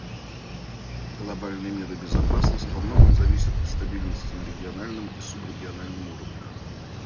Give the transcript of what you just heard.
Глобальный мир и безопасность во многом зависят от стабильности на региональном и субрегиональном уровнях.